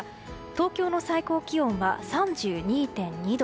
東京の最高気温は３２．２度。